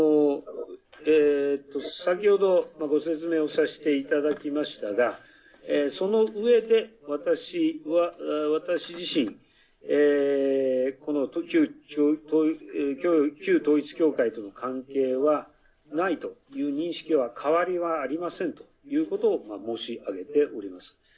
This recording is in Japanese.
先ほどご説明をさせていただきましたがその上で私自身この旧統一教会との関係はないという認識は変わりはありませんということを申し上げております。